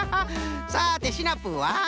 さてシナプーは？